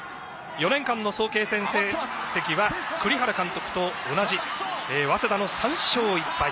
４年間の早慶戦成績は栗原監督と同じ早稲田の３勝１敗。